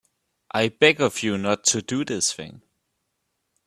I beg of you not to do this thing.